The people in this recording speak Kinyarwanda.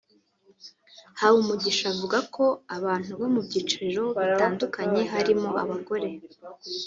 Habumugisha avuga ko abantu bo mu byiciro bitandukanye barimo abagore